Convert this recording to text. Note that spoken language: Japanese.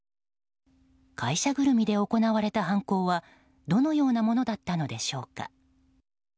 会社ぐるみで行われた犯行はどのようなものだったのでしょうか。